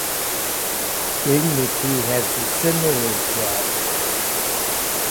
Dignity has a similar plot.